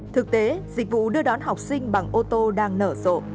thực tế dịch vụ đưa đón học sinh bằng ô tô đang nở rộ